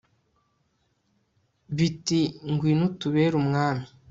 biti 'ngwino utubere umwami